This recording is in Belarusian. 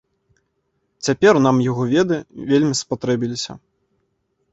Цяпер нам яго веды вельмі спатрэбіліся.